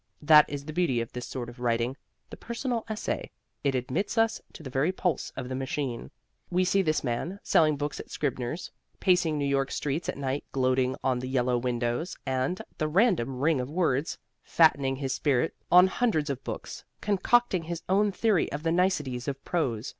That is the beauty of this sort of writing the personal essay it admits us to the very pulse of the machine. We see this man: selling books at Scribner's, pacing New York streets at night gloating on the yellow windows and the random ring of words, fattening his spirit on hundreds of books, concocting his own theory of the niceties of prose.